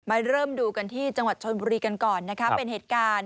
เริ่มดูกันที่จังหวัดชนบุรีกันก่อนนะคะเป็นเหตุการณ์